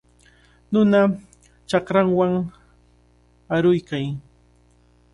Nuna chakrachaw aruykan.